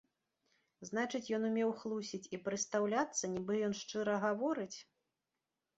Значыць, ён умеў хлусіць і прыстаўляцца, нібы ён шчыра гаворыць?